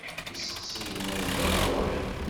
Isteqsiyen-a zgan ɣur-i.